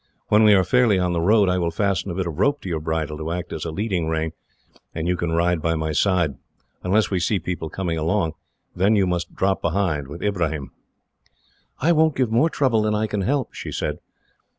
When we are fairly on the road, I will fasten a bit of rope to your bridle to act as a leading rein, and you can ride by my side, unless we see people coming along; then you must drop behind, with Ibrahim." "I won't give more trouble than I can help," she said.